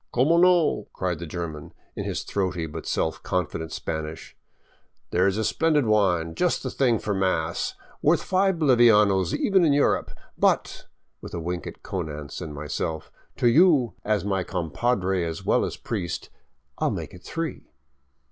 " Como no !" cried the German, in his throaty but self confident Spanish. " There is a splendid wine, just the thing for mass, worth five bolivianos even in Europe, but "— with a wink at Konanz and myself, —" to you, as my compadre as well as priest, I '11 make it three."